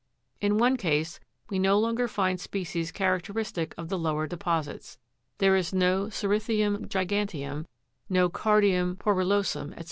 In one case, we no longer find species characteristic of the lower deposits ; there is no ceri'thium giga'nteum, no car'dium porulo'sum, &c.